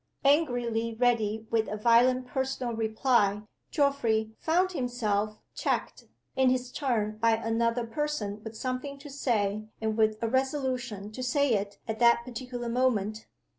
Angrily ready with a violent personal reply, Geoffrey found himself checked, in his turn by another person with something to say, and with a resolution to say it at that particular moment.